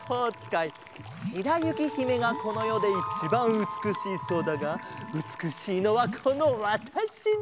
しらゆきひめがこのよでいちばんうつくしいそうだがうつくしいのはこのわたしだ。